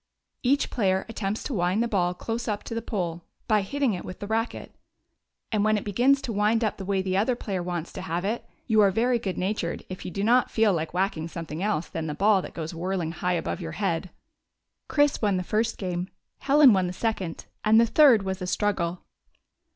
Each player at tempts to wind the ball close up to the pole by 45 GYPSY, THE TALKING DOG hitting it with the racket, and when it begins to wind up the way the other player wants to have it, you are very good natured if you do not feel like whacking something else than the ball that goes whirling high above your head. Chris won the first game, Helen won the second, and the third was a struggle.